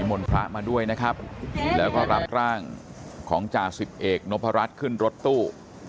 มนต์พระมาด้วยนะครับแล้วก็รับร่างของจ่าสิบเอกนพรัชขึ้นรถตู้